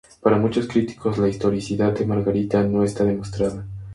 Para muchos críticos la historicidad de Margarita no está demostrada.